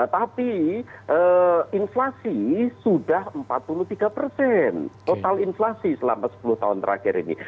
tapi inflasi sudah empat puluh tiga total inflasi selama sepuluh tahun terakhir ini